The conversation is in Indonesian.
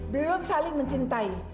belum saling mencintai